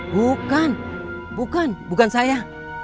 bukan bukan bukan saya